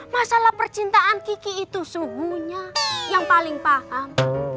masalah percintaan kiki itu suhunya yang paling paham